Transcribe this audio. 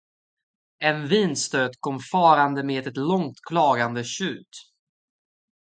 En vindstöt kom farande med ett långt klagande tjut.